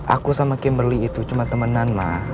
aku sama kimberly itu cuma temenan mah